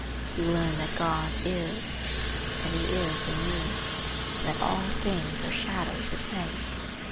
We learn that God is; that he is in me; and that all things are shadows of him.